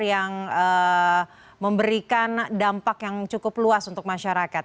yang memberikan dampak yang cukup luas untuk masyarakat